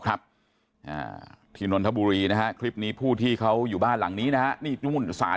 ครับที่นนทบุรีนะฮะคลิปนี้ผู้ที่เขาอยู่บ้านหลังนี้นะฮะนี่นู่นศาล